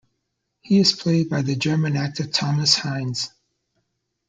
He is played by the German actor Thomas Heinze.